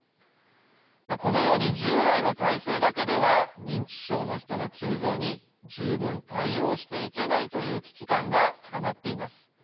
このように従来の体制だけでは認知症の人の急増に十分、対応していけないという危機感が高まっています。